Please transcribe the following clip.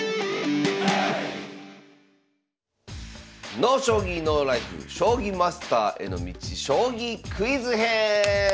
「ＮＯ将棋ＮＯＬＩＦＥ」「将棋マスターへの道将棋クイズ編」！